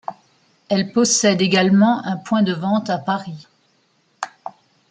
Elle possède également un point de vente à Paris.